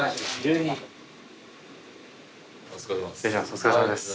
お疲れさまです。